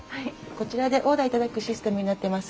こちらでオーダーいただくシステムになっています。